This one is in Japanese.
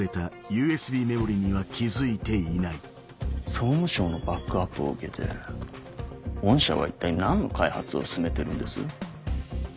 総務省のバックアップを受けて御社は一体何の開発を進めてるんです？